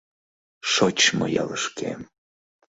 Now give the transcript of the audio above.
Шочмо ялышкем!